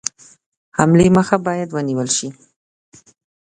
حملې مخه باید ونیوله شي.